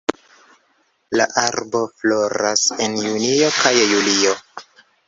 La arbo floras en junio kaj julio.